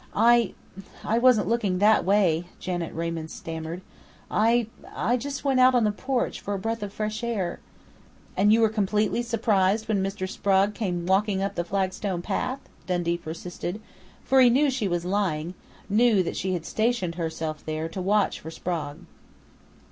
"I I wasn't looking that way," Janet Raymond stammered. "I I just went out on the porch for a breath of fresh air " "And you were completely surprised when Mr. Sprague came walking up the flagstone path?" Dundee persisted, for he knew she was lying, knew that she had stationed herself there to watch for Sprague.